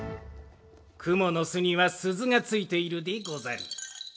くものすにはすずがついているでござる。